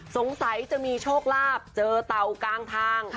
สงสัยจะมีโชคลาภเจอเต่ากลางทาง